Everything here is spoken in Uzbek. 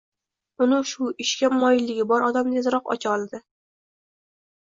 Uni shu ishga moyilligi bor odam tezroq ocha oladi.